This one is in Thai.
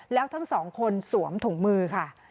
แล้วทั้งสองคนสวมถุงมือค่ะ